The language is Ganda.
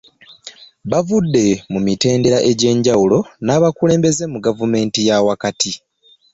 Bavudde mu mitendera egy'enjawulo n'abakulembeze mu gavumenti ya wakati